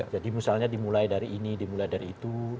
jadi misalnya dimulai dari ini dimulai dari itu